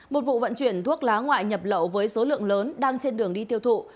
một vụ vận chuyển thuốc lá ngoại nhập lậu với số lượng lớn đang trên đường đi tiêu thụ